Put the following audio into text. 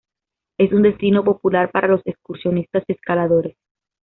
Es un destino popular para los excursionistas y escaladores.